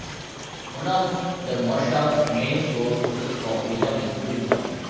One of the moshav's main sources of income is tourism.